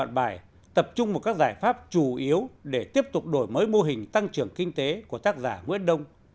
bài tập trung vào các giải pháp chủ yếu để tiếp tục đổi mới mô hình tăng trưởng kinh tế của tác giả nguyễn đông